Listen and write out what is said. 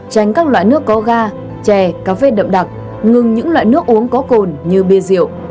tránh các loại nước có ga chè cà phê đậm đặc ngừng những loại nước uống có cồn như bia rượu